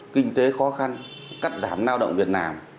kinh tế khó khăn cắt giảm lao động việt nam